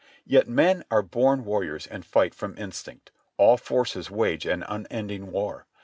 Yet men are born warriors and fight from instinct. All forces wage an unending war.